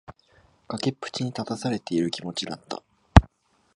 崖っぷちに立たされている気持ちだった。